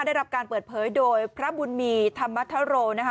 ได้รับการเปิดเผยโดยพระบุญมีธรรมธโรนะคะ